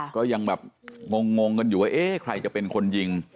ก็ยังแบบงงกันอยู่ว่าเอ๊ะใครจะเป็นคนยิง